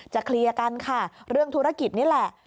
เคลียร์กันค่ะเรื่องธุรกิจนี่แหละ